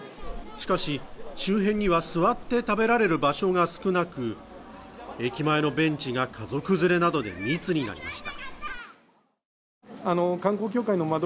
しかし、周辺には座って食べられる場所が少なく、駅前のベンチが家族連れなどで密になりました。